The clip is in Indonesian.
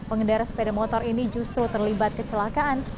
pengendara sepeda motor ini justru terlibat kecelakaan